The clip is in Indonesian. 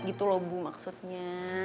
gitu loh bu maksudnya